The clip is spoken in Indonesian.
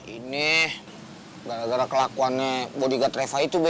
ini gara gara kelakuannya bodyguard reva itu be